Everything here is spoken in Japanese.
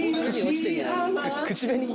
口紅？